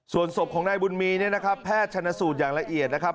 ส่วนศพของนายบุญมีเนี่ยนะครับแพทย์ชนสูตรอย่างละเอียดนะครับ